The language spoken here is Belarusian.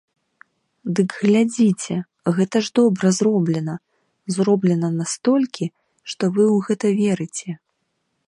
Дык глядзіце, гэта ж добра зроблена, зроблена настолькі, што вы ў гэта верыце!